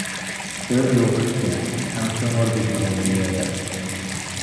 Kra n lweqt kan, amcum ur d-ittɣimi ara.